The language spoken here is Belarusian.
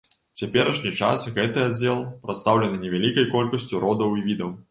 У цяперашні час гэты аддзел прадстаўлены невялікай колькасцю родаў і відаў.